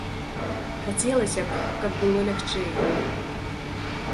Хацелася б, каб было лягчэй.